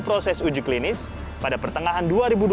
proses uji klinis pada pertengahan dua ribu dua puluh